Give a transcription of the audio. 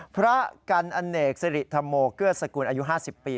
พระกันอเนกสิริธรโมเกื้อสกุลอายุ๕๐ปี